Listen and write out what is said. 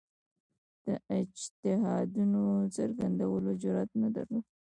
د اجتهادونو څرګندولو جرئت نه درلود